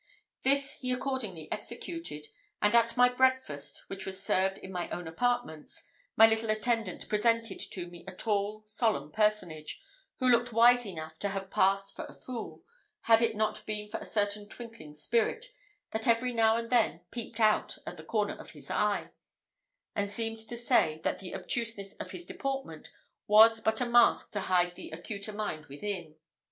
This he accordingly executed; and at my breakfast, which was served in my own apartments, my little attendant presented to me a tall, solemn personage, who looked wise enough to have passed for a fool, had it not been for a certain twinkling spirit, that every now and then peeped out at the corner of his eye, and seemed to say, that the obtuseness of his deportment was but a mask to hide the acuter mind within.